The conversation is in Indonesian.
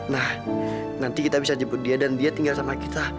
nah nanti kita bisa jemput dia dan dia tinggal sama kita